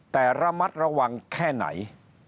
แต่ระมัดระวังแค่ไหน